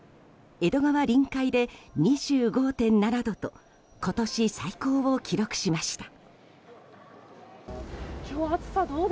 江戸川臨海で２５．７度と今年最高を記録しました。